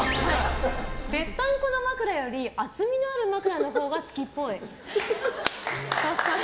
ぺったんこの枕より厚みのある枕のほうが好きっぽい。